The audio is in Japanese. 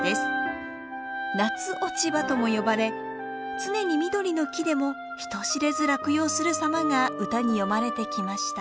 夏落葉とも呼ばれ常に緑の木でも人知れず落葉する様が歌に詠まれてきました。